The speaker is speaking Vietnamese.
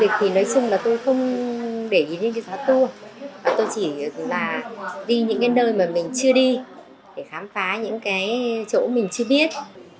tôi chỉ là đi những cái nơi mà mình chưa đi để khám phá những cái chỗ mình chưa biết